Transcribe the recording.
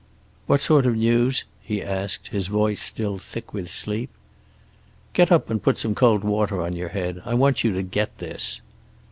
"What sort of news?" he asked, his voice still thick with sleep. "Get up and put some cold water on your head. I want you to get this."